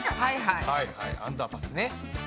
はいはいアンダーパスね。